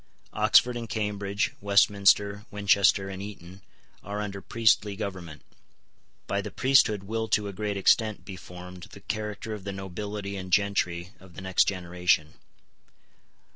Oxford and Cambridge, Westminster, Winchester, and Eton, are under priestly government. By the priesthood will to a great extent be formed the character of the nobility and gentry of the next generation.